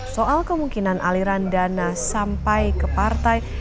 soal kemungkinan aliran dana sampai ke partai